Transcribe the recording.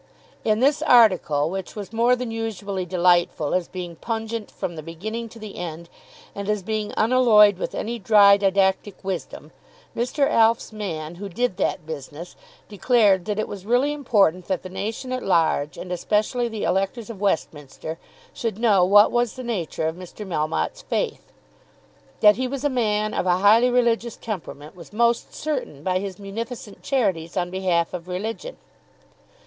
In this article, which was more than usually delightful as being pungent from the beginning to the end and as being unalloyed with any dry didactic wisdom, Mr. Alf's man, who did that business, declared that it was really important that the nation at large and especially the electors of Westminster should know what was the nature of Mr. Melmotte's faith. That he was a man of a highly religious temperament was most certain by his munificent charities on behalf of religion.